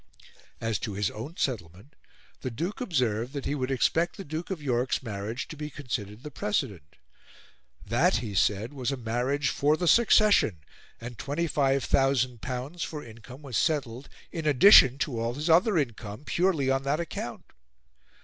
As to his own settlement, the Duke observed that he would expect the Duke of York's marriage to be considered the precedent. "That," he said, "was a marriage for the succession, and L25,000 for income was settled, in addition to all his other income, purely on that account.